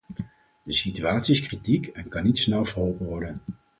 De situatie is kritiek en kan niet snel verholpen worden.